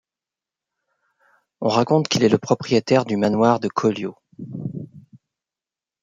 On raconte qu'il est le propriétaire du manoir de Köyliö.